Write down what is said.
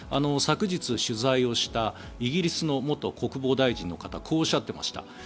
昨日、取材をしたイギリスの元国防大臣の方はこうおっしゃっていました。